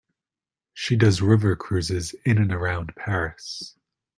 She does river cruises in and around Paris.